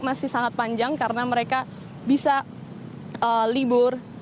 masih sangat panjang karena mereka bisa libur